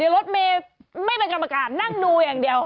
รถเมย์ไม่เป็นกรรมการนั่งดูอย่างเดียว